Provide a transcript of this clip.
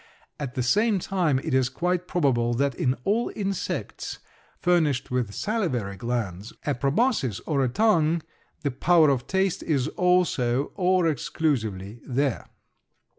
At the same time it is quite probable that in all insects furnished with salivary glands, a proboscis, or a tongue, the power of taste is also or exclusively there.